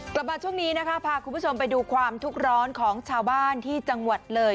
กลับมาช่วงนี้นะคะพาคุณผู้ชมไปดูความทุกข์ร้อนของชาวบ้านที่จังหวัดเลย